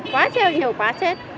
quá chết nhiều quá chết